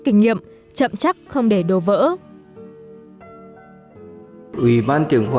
kinh nghiệm chậm chắc không để đổ vỡ